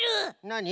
なに？